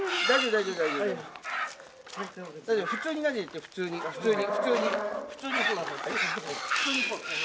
大丈夫、普通になでて、普通に、普通に。